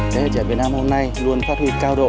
thế hệ trẻ việt nam hôm nay luôn phát hủy